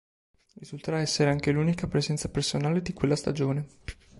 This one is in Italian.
Risulterà essere anche l'unica presenza personale di quella stagione.